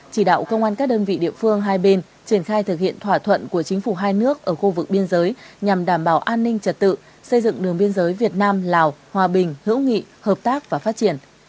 chỉ đạo công an các đơn vị địa phương hai bên triển khai thực hiện thỏa thuận của chính phủ hai nước ở khu vực biên giới nhằm đảm bảo an ninh trật tự xây dựng đường biên giới việt nam lào hòa bình hữu nghị hợp tác và phát triển